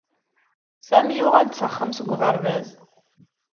Sami yuɣal-d s axxam seg uɣerbaz.